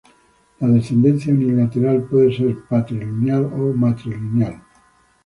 La descendencia unilateral puede ser patrilineal o matrilineal.